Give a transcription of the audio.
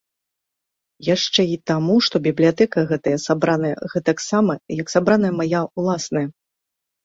Яшчэ і таму, што бібліятэка гэтая сабраная гэтаксама, як сабраная мая ўласная.